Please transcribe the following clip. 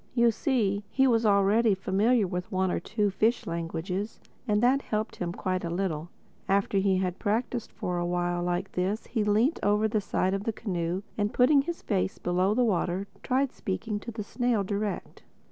You see, he was already familiar with one or two fish languages; and that helped him quite a little. After he had practised for a while like this he leant over the side of the canoe and putting his face below the water, tried speaking to the snail direct.